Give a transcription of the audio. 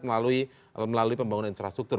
melalui pembangunan infrastruktur